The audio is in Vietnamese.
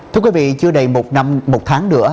thưa quý vị chưa đầy một năm một tháng nữa